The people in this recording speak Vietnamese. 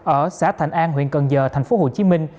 ở xã thành an huyện cần giờ thành phố hồ chí minh